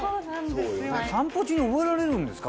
散歩中に覚えられるんですか？